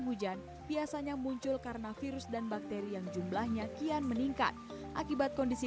hujan biasanya muncul karena virus dan bakteri yang jumlahnya kian meningkat akibat kondisi